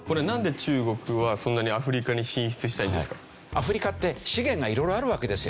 アフリカって資源が色々あるわけですよね。